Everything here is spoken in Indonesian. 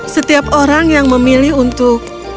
setiap orang yang memilih untuk